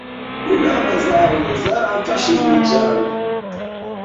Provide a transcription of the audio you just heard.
Inama zawe zarafashijwe cyane.